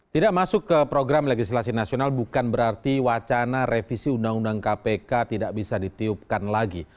tidak masuk ke program legislasi nasional bukan berarti wacana revisi undang undang kpk tidak bisa ditiupkan lagi